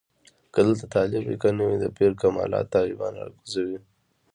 که دلته طالب وي که نه وي د پیر کمالات طالبان راکوزوي.